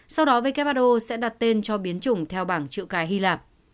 sau đó who sẽ đặt tên cho biến chủng theo bảng chữ cái hy lạp